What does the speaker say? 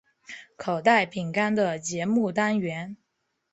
口袋饼干的节目单元。